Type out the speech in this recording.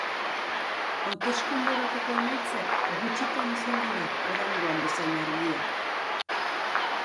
Hauteskunde bateko emaitzak, gutxitan izan dira oraingoan bezain argiak.